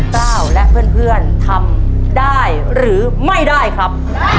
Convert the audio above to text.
กล้าวและเพื่อนทำได้หรือไม่ได้ครับ